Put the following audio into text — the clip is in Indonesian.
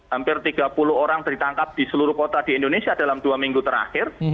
hampir tiga puluh orang ditangkap di seluruh kota di indonesia dalam dua minggu terakhir